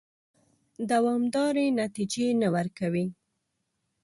دوامدارې نتیجې نه ورکوي.